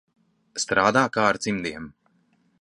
Strādā kā ar cimdiem.